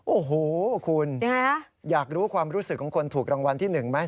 โอ้โหคุณอยากรู้ความรู้สึกของคนถูกรางวัลที่๑ไหม